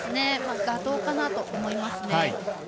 妥当かなと思いますね。